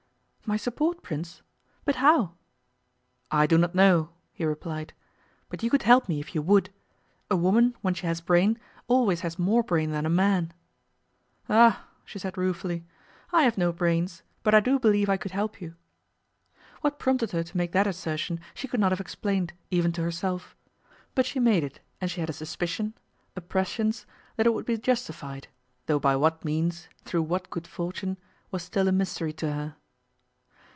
'My support, Prince? But how?' 'I do not know,' he replied. 'But you could help me if you would. A woman, when she has brain, always has more brain than a man.' 'Ah!' she said ruefully, 'I have no brains, but I do believe I could help you.' What prompted her to make that assertion she could not have explained, even to herself. But she made it, and she had a suspicion a prescience that it would be justified, though by what means, through what good fortune, was still a mystery to her.